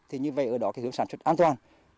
thì như vậy ở đó cái hướng sản xuất an toàn